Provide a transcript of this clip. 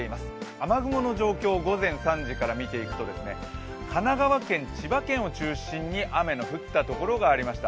雨雲の状況、午前３時から見ていくと神奈川県、千葉県を中心に雨が降ったところがありました。